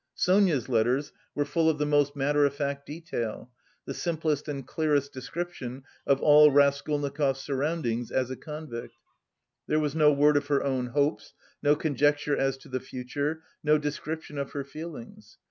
Sonia's letters were full of the most matter of fact detail, the simplest and clearest description of all Raskolnikov's surroundings as a convict. There was no word of her own hopes, no conjecture as to the future, no description of her feelings.